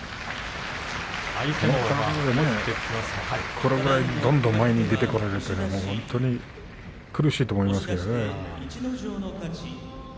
これぐらいどんどん前に出てこられると本当に苦しいと思います。